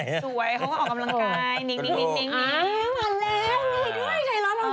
สวยเขาก็ออกกำลังกาย